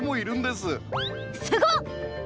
すごっ！